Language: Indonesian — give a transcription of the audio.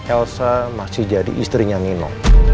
elsa masih jadi istrinya nino